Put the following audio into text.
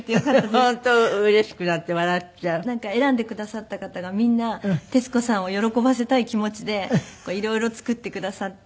選んでくださった方がみんな徹子さんを喜ばせたい気持ちで色々作ってくださって。